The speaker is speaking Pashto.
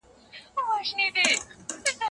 د نجونو د ښوونځیو لپاره کافي ښځینه مدیرانې نه وي.